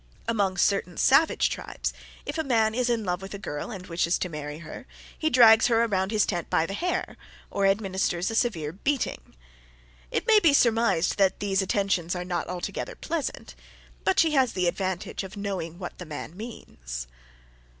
Among certain savage tribes, if a man is in love with a girl and wishes to marry her, he drags her around his tent by the hair or administers a severe beating. It may be surmised that these attentions are not altogether pleasant, but she has the advantage of knowing what the man means.